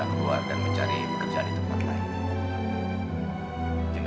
padatkan kesana ragum